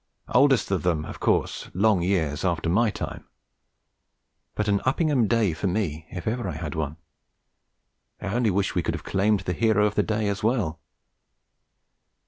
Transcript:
The oldest of them, of course, long years after my time; but an All Uppingham Day for me, if ever I had one! I only wish we could have claimed the hero of the day as well.